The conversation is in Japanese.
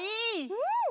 うん！